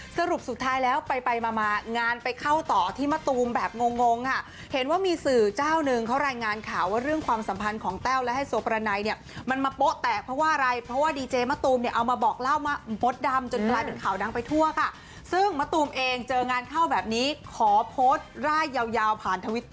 สรุปสุดท้ายแล้วไปไปมามางานไปเข้าต่อที่มะตูมแบบงงงค่ะเห็นว่ามีสื่อเจ้านึงเขารายงานข่าวว่าเรื่องความสัมพันธ์ของแต้วและไฮโซประไนเนี่ยมันมาโป๊ะแตกเพราะว่าอะไรเพราะว่าดีเจมะตูมเนี่ยเอามาบอกเล่ามดดำจนกลายเป็นข่าวดังไปทั่วค่ะซึ่งมะตูมเองเจองานเข้าแบบนี้ขอโพสต์ร่ายยาวยาวผ่านทวิตเต